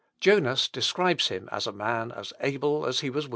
Jonas describes him as a man as able as he was willing.